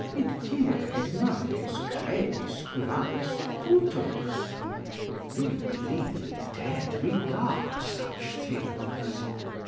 "Id cinerem et manes credis curare sepultos?" ["Do you believe the dead regard such things?"